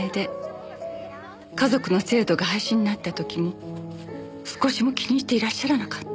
華族の制度が廃止になった時も少しも気にしていらっしゃらなかった。